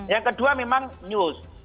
yang kedua memang news